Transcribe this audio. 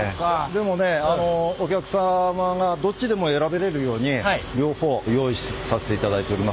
でもねあのお客様がどっちでも選べるように両方用意させていただいております。